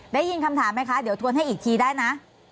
ได้ยินคำถามไหมคะเดี๋ยวทวนให้อีกทีได้นะ